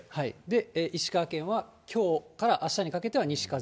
石川県はきょうからあしたにかけては西風。